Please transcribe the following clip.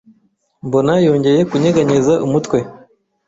mbona yongeye kunyeganyeza umutwe